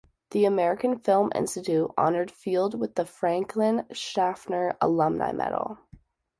The American Film Institute honored Field with the Franklin Schaffner Alumni Medal.